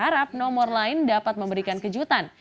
harap nomor lain dapat memberikan kejutan